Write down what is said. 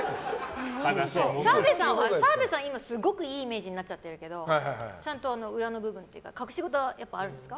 澤部さんは今、すごくいいイメージになっちゃってるけどちゃんと裏の部分っていうか隠し事あるんですか？